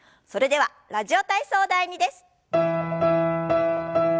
それでは「ラジオ体操第２」です。